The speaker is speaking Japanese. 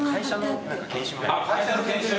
会社の研修？